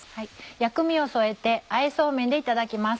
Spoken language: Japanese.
薬味を添えてあえそうめんでいただきます。